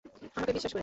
আমাকে বিশ্বাস করুন।